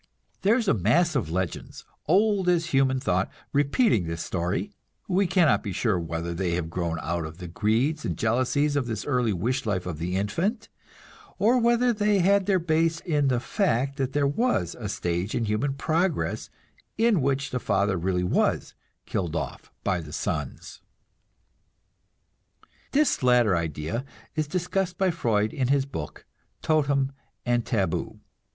There is a mass of legends, old as human thought, repeating this story; we cannot be sure whether they have grown out of the greeds and jealousies of this early wish life of the infant, or whether they had their base in the fact that there was a stage in human progress in which the father really was killed off by the sons. This latter idea is discussed by Freud, in his book, "Totem and Taboo."